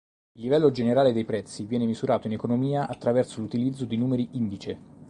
Il livello generale dei prezzi viene misurato in economia attraverso l'utilizzo di numeri indice.